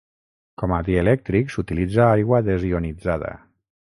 Com a dielèctric s'utilitza aigua desionitzada.